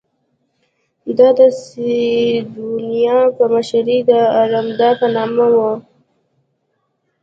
دا د سیدونیا په مشرۍ د ارمادا په نامه وه.